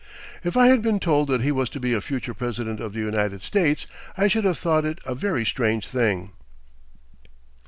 If I had been told that he was to be a future President of the United States, I should have thought it a very strange thing."